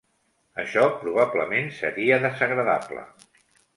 Això probablement seria desagradable.